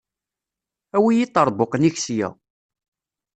Awi iṭerbuqen-ik sya.